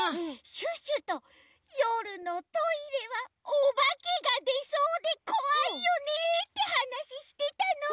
シュッシュとよるのトイレはおばけがでそうでこわいよねってはなししてたの！